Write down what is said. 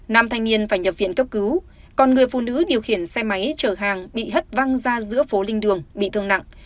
nam thanh niên phải nhập viện cấp cứu còn người phụ nữ điều khiển xe máy chở hàng bị hất văng ra giữa phố linh đường bị thương nặng